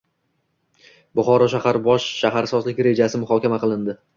Buxoro shahar bosh shaharsozlik rejasi muhokama qilindi